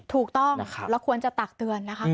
ถูกต้องเราควรจะตักเตือนนะคะ